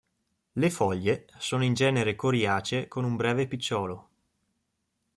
Le foglie sono in genere coriacee con un breve picciolo.